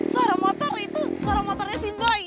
suara motor itu suara motornya si bayi